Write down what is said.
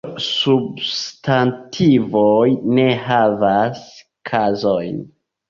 Substantivoj ne havas kazojn.